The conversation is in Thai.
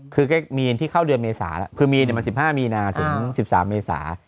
คือแค่มีนที่เข้าเดือนเมษาล่ะคือมีนเนี่ยมาสิบห้ามีนาถึงสิบสามเมษา